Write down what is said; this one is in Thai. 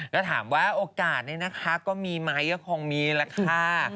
แล้วแน่อกาศก็มีไหมก็คงมีแหละครับ